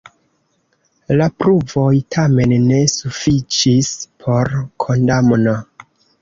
La pruvoj tamen ne sufiĉis por kondamno.